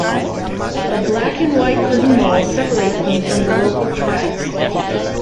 A black and white curtain wall separates them from the local tracks.